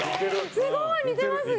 すごい、似てますね！